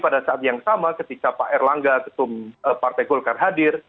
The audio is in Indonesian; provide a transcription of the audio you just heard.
pada saat yang sama ketika pak erlangga ketum partai golkar hadir